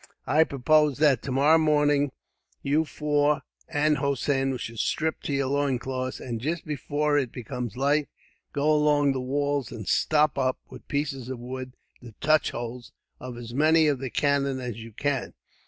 "I propose that, tomorrow morning, you four and Hossein shall strip to your loincloths, and just before it becomes light go along the walls, and stop up, with pieces of wood, the touch holes of as many of the cannon as you can.